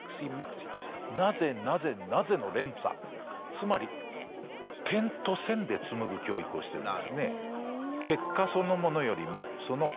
つまり点と線で紡ぐ教育をしてるんですね。